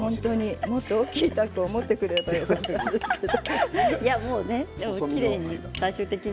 もっと大きいたこ持ってくればよかったんですけど。